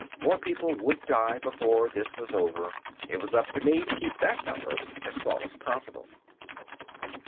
More people would die before this was over, it was up to me to keep that number as small as possible.